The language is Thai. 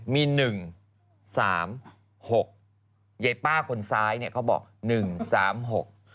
มีหนึ่งสามหกยายป้าคนซ้ายเนี่ยเขาบอกหนึ่งสามหก